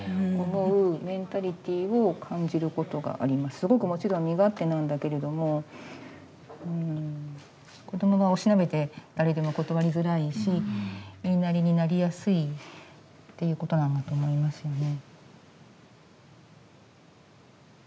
すごくもちろん身勝手なんだけれども子どもがおしなべて誰でも断りづらいし言いなりになりやすいっていうことなんだと思いますよね。